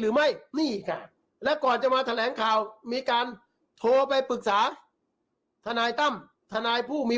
หรือไม่นี่ค่ะและก่อนจะมาแถลงข่าวมีการโทรไปปรึกษาทนายตั้มทนายผู้มี